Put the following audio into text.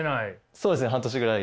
そうですね半年ぐらい。